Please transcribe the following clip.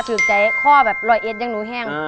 สืบใจข้อแบบรอยเอ็ดยังหนูแห้ง